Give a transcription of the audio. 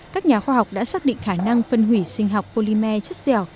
các nhà khoa học đã xác định khả năng phân hủy sinh học polymer chất dẻo